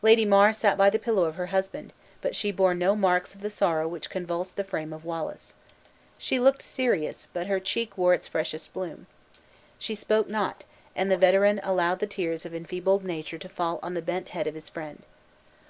Lady Mar sat by the pillow of her husband, but she bore no marks of the sorrow which convulsed the frame of Wallace. She looked serious, but her cheek wore its freshest bloom. She spoke not, and the veteran allowed the tears of enfeebled nature to fall on the bent head of his friend.